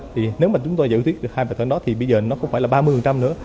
thì nếu mà chúng tôi giải thiết được hai bài toán đó thì bây giờ nó không phải là ba mươi nữa